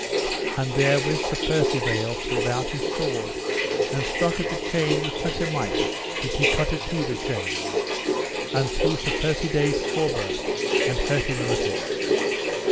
And therewith Sir Percivale pulled out his sword and struck at the chain with such a might that he cut a two the chain, and through Sir Persides' hauberk and hurt him a little.